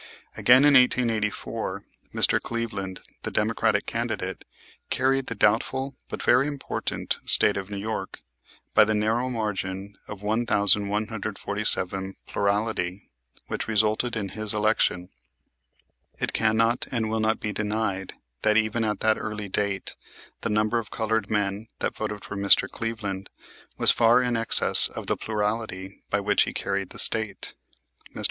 Again, in 1884, Mr. Cleveland, the Democratic candidate, carried the doubtful but very important State of New York by the narrow margin of 1,147 plurality, which resulted in his election. It cannot and will not be denied that even at that early date the number of colored men that voted for Mr. Cleveland was far in excess of the plurality by which he carried the State. Mr.